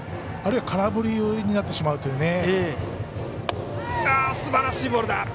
あるいは空振りになってしまうという。